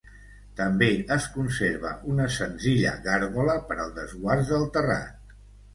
També es conserva una senzilla gàrgola per al desguàs del terrat.